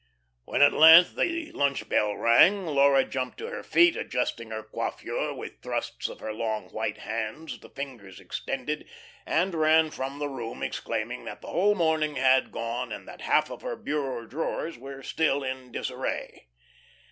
When at length the lunch bell rang Laura jumped to her feet, adjusting her coiffure with thrusts of her long, white hands, the fingers extended, and ran from the room exclaiming that the whole morning had gone and that half her bureau drawers were still in disarray.